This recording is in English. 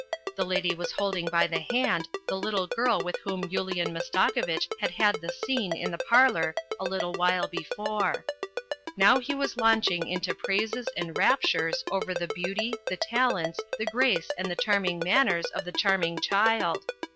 The lady was holding by the hand the little girl with whom Yulian Mastakovitch had had the scene in the parlour a little while before. Now he was launching into praises and raptures over the beauty, the talents, the grace and the charming manners of the charming child.